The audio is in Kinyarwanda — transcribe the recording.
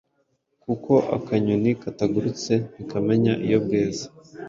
kuko akanyoni katagurutse ntikamenya iyo bweze